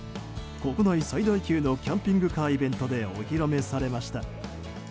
国内最大級のキャンピングカーイベントでお披露目されました。